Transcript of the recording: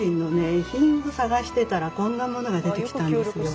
遺品を探してたらこんなものが出てきたんですけど。